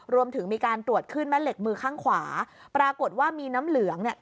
รวมถึงมีการตรวจขึ้นแม่เหล็กมือข้างขวาปรากฏว่ามีน้ำเหลืองเนี่ย